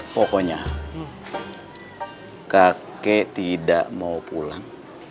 pokoknya kakek tidak mau pulang